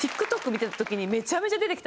見てた時にめちゃめちゃ出てきたんですよ